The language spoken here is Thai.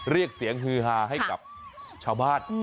เรียกเสียงฮือฮาให้กับชาวบ้าน